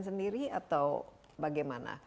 sendiri atau bagaimana